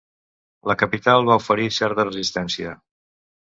La capital va oferir certa resistència.